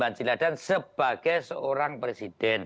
banjiladan sebagai seorang presiden